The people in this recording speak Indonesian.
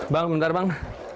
bang bentar bang